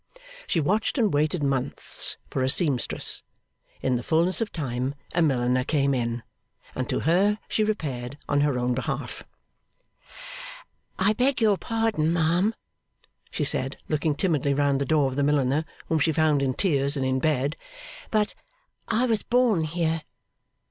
She watched and waited months for a seamstress. In the fulness of time a milliner came in, and to her she repaired on her own behalf. 'I beg your pardon, ma'am,' she said, looking timidly round the door of the milliner, whom she found in tears and in bed: 'but I was born here.